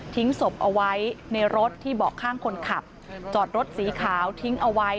ศพเอาไว้ในรถที่เบาะข้างคนขับจอดรถสีขาวทิ้งเอาไว้